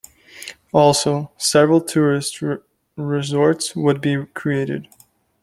Also, several tourist resorts would be created.